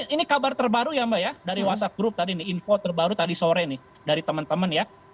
ini kabar terbaru ya mbak ya dari whatsapp group tadi nih info terbaru tadi sore nih dari teman teman ya